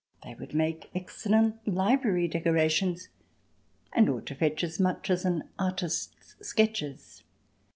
They would make excellent library decorations and ought to fetch as much as an artist's sketches.